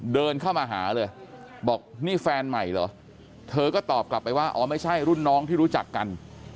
เดินเข้ามาหาเลยบอกนี่แฟนใหม่เหรอเธอก็ตอบกลับไปว่าอ๋อไม่ใช่รุ่นน้องที่รู้จักกัน